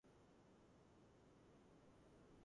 დედლები მატლს ჰგვანან.